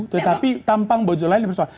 tetapi tampang bojol lainnya bersuara